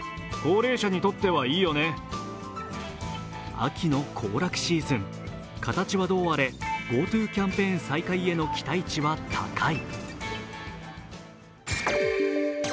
秋の行楽シーズン、形はどうあれＧｏＴｏキャンペーン再開への期待値は高い。